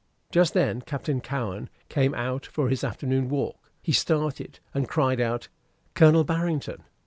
Just then Captain Cowen came out for his afternoon walk. He started, and cried out, "Colonel Barrington!"